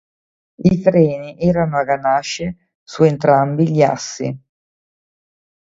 I freni erano a ganasce su entrambi gli assi.